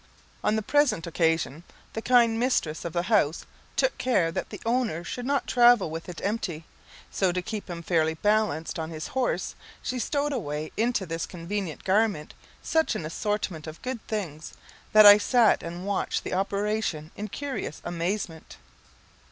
On the present occasion, the kind mistress of the house took care that the owner should not travel with it empty; so, to keep him fairly balanced on his horse, she stowed away into this convenient garment such an assortment of good things, that I sat and watched the operation in curious amazement.